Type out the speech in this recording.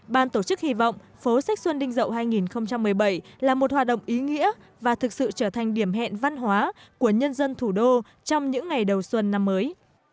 ban tổ chức hy vọng phố sách xuân đinh rậu hai nghìn một mươi bảy là một hoạt động ý nghĩa và thực sự trở thành điểm hẹn văn hóa của nhân dân thủ đô trong những ngày đầu xuân năm mới